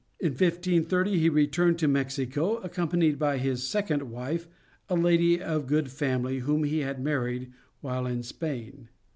In 1530 he returned to Mexico accompanied by his second wife, a lady of good family whom he had married while in Spain.